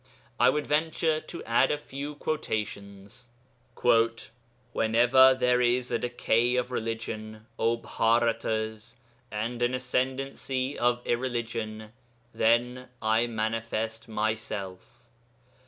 I will venture to add a few quotations: 'Whenever there is a decay of religion, O Bhâratas, and an ascendency of irreligion, then I manifest myself.